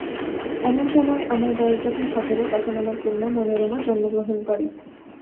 এমন সময়ে আমার বয়স যখন সতেরো তখন আমার কন্য মনোরমা জনন্মগ্রহণ করে।